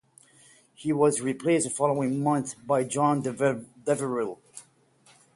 He was replaced the following month by Jon Deverill.